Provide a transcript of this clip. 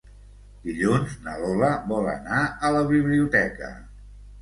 Dilluns na Lola vol anar a la biblioteca.